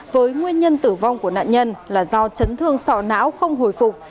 với nguyên nhân tử vong của nạn nhân là do chấn thương sọ não không hồi phục